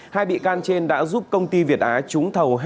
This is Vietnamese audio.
hai bị can trên đã giúp công ty việt á trúng thầu